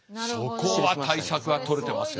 そこは対策は取れてますよ。